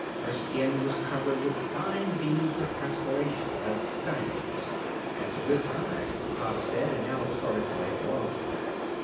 Her skin was covered with fine beads of perspiration, like diamonds. "That's a good sign," Pop said and Alice started to wipe her off.